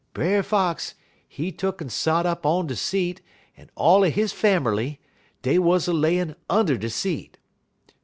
Brer Fox, he tuck'n sot up on de seat, un all er he fammerly, dey wuz a layin' under de seat.